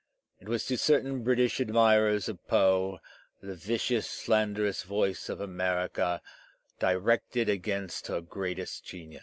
It was to certain British admirers of Poe the vicious, slanderous voice of America directed against her greatest genius.